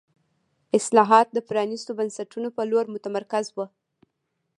اصلاحات د پرانیستو بنسټونو په لور متمرکز وو.